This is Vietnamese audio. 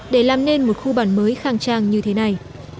để làm nên một khu bản mới khang trang như thế này